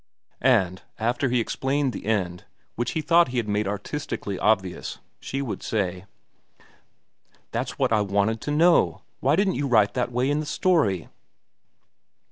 And, after he had explained the end, which he thought he had made artistically obvious, she would say: "That's what I wanted to know. Why didn't you write that way in the story?"